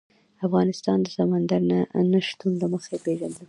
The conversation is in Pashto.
افغانستان د سمندر نه شتون له مخې پېژندل کېږي.